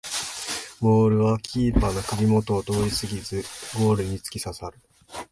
ボールはキーパーの首もとを通りすぎゴールにつきささる